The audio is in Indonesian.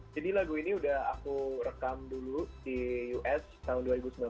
jadi lagu ini udah aku rekam dulu di us tahun dua ribu sembilan belas